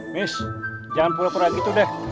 miss jangan pula pula gitu deh